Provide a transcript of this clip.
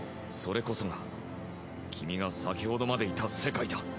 それこそが君が先ほどまでいた世界だ。